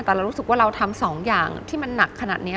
แต่เรารู้สึกว่าเราทำ๒อย่างที่มันหนักขนาดนี้